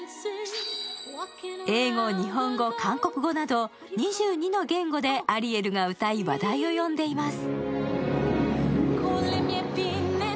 英語、日本語、韓国語など２２の言語でアリエルが歌い、話題を呼んでいます。